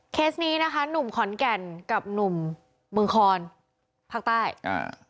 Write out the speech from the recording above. นี้นะคะหนุ่มขอนแก่นกับหนุ่มเมืองคอนภาคใต้อ่า